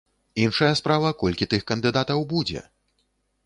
Іншая справа, колькі гэтых кандыдатаў будзе.